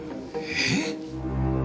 えっ？